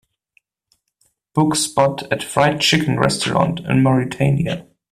Book spot at Fried chicken restaurant in Mauritania